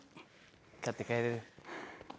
買って帰れる。